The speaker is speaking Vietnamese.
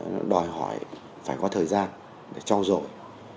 nó đòi hỏi phải có thời gian để trao dồi